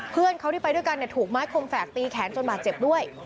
เพื่อนเขาที่ไปด้วยกันถูกไม้คมแฝดตีแขนจนบาดเจ็บด้วย